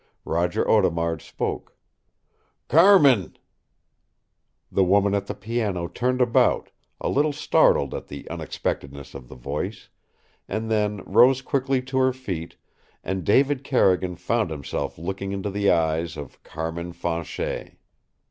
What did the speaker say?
Roger Audemard spoke, "Carmin!" The woman at the piano turned about, a little startled at the unexpectedness of the voice, and then rose quickly to her feet and David Carrigan found himself looking into the eyes of Carmin Fanchet!